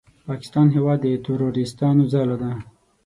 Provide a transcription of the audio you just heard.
پاکستان هېواد د تروریستانو ځاله ده!